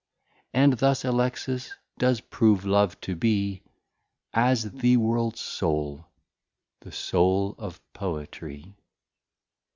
And thus Alexis does prove Love to be, As the Worlds Soul, the Soul of Poetry.